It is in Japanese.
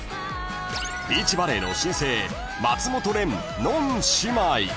［ビーチバレーの新星松本恋・穏姉妹］